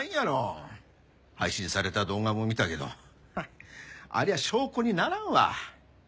配信された動画も見たけどありゃ証拠にならんわ。